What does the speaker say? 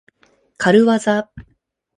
かるわざ。